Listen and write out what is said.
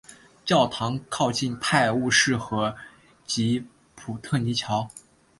教堂靠近泰晤士河及普特尼桥。